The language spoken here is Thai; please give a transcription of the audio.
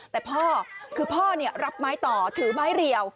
แต่พ่อคือพ่อรับไม้ต่อถือไม้เรียว